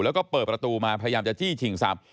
แล้วก็เปิดประตูมาพยายามจะจี้ชิงทรัพย์